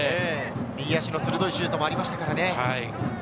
右足の鋭いシュートもありましたからね。